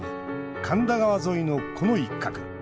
神田川沿いの、この一角。